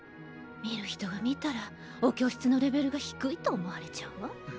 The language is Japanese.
見る人が見たらお教室のレベルが低いと思われちゃうわ。